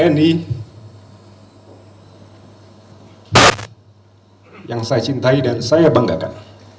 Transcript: namun saya mengatakan bahwa saya siap untuk melanggar